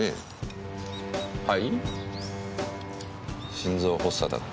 心臓発作だって。